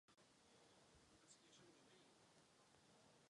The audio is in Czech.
Není odolné vůči škůdcům a rozkladu.